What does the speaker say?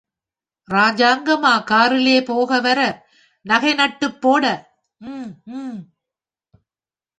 ராஜாங்கமா கார்லே போக வர, நகை நட்டுப்போட,....... ம், ம்.